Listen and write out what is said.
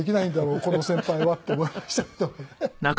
この先輩はって思いましたけどもね。